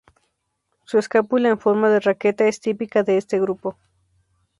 Su escápula en forma de raqueta es típica de este grupo.